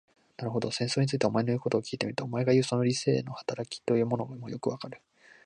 なるほど、戦争について、お前の言うことを聞いてみると、お前がいう、その理性の働きというものもよくわかる。